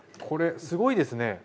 これすごいですね。